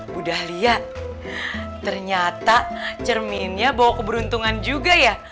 bu dahlia ternyata cerminnya bawa keberuntungan juga ya